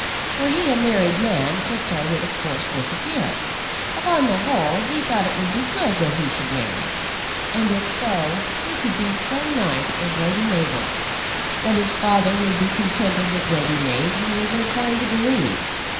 Were he a married man, Tifto would of course disappear. Upon the whole he thought it would be good that he should marry. And, if so, who could be so nice as Lady Mabel? That his father would be contented with Lady Mab, he was inclined to believe.